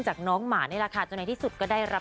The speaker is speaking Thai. จากน้องหมานะแหละค่ะ